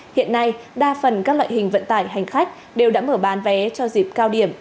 hiện nay đa phần các loại hình vận tải hành khách đều đã mở bán vé cho dịp cao điểm